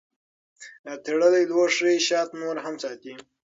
تړلی لوښی شات نور هم ساتي.